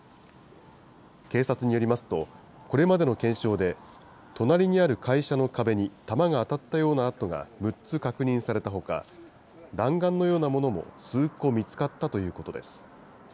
警察によりますと、これまでの検証で、隣にある会社の壁に弾が当たったような痕が６つ確認されたほか、弾丸のようなものも数個見つかったということです。